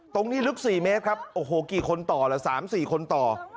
ตรงนี้ลึกสี่เมตรครับกี่คนต่อล่ะ๓๔คนต่อ